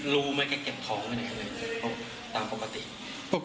รู้มันแค่เก็บของมันอย่างไร